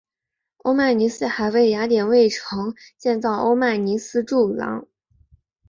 欧迈尼斯还为雅典卫城建造欧迈尼斯柱廊。